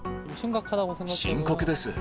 深刻です。